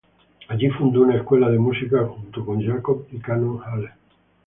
Allí fundó una escuela de música sacra junto con Jacob y Canon Haller.